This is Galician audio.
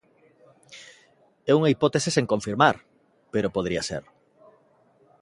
É unha hipótese sen confirmar, pero podería ser.